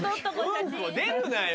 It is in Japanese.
うんこ出るなよ。